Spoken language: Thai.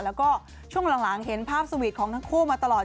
แล้วก็ช่วงหลังเห็นภาพสวีทของทั้งคู่มาตลอด